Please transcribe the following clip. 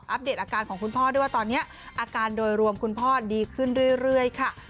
เดตอาการของคุณพ่อด้วยว่าตอนนี้อาการโดยรวมคุณพ่อดีขึ้นเรื่อยค่ะ